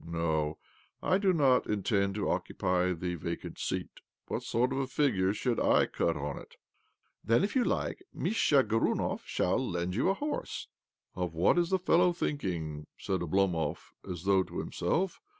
" No, I do not intend to occupy the vacant seat. What sort of a figure should / cut on it?" " Then, if you like, Mischa Gorunov shall lend you a horse." "Of what is the fellow thinking?" said Oblomov as though to himself.